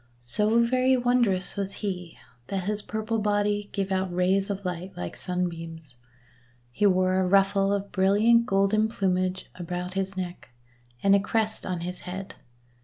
So very wondrous was he that his purple body gave out rays of light like sunbeams. He wore a ruffle of brilliant golden plumage about his neck, and a crest on his head.